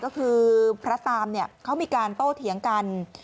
ก็คือพระตามเขามีการโต้เถียงกัน